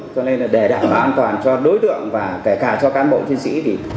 cho nên để đảm bảo an toàn cho đối tượng và kể cả cho cán bộ thiên sĩ